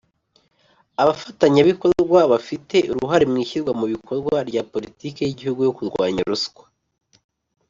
Abafatanyabikorwa bafite uruhare mu ishyirwa mu bikorwa rya Politiki y’Igihugu yo Kurwanya Ruswa